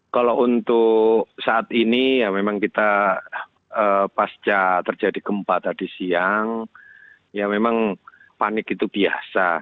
kalau untuk saat ini ya memang kita pasca terjadi gempa tadi siang ya memang panik itu biasa